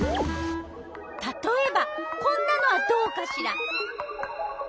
たとえばこんなのはどうかしら？